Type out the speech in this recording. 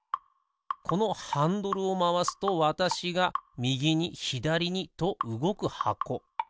このハンドルをまわすとわたしがみぎにひだりにとうごくはこ。